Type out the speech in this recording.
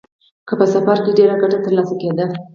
که په سفر کې ډېره ګټه ترلاسه کېده.